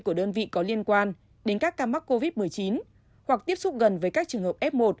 của đơn vị có liên quan đến các ca mắc covid một mươi chín hoặc tiếp xúc gần với các trường hợp f một